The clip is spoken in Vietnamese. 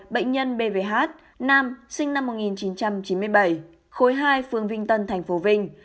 hai bệnh nhân bvh nam sinh năm một nghìn chín trăm chín mươi bảy khối hai phường vinh tân tp vinh